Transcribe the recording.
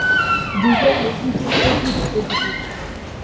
دیگر لیگی چہرے بھی بجھے بجھے تھے۔